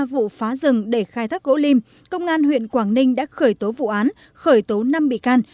vụ phá rừng để khai thác gỗ lim công an huyện quảng ninh đã khởi tố vụ án khởi tố năm bị can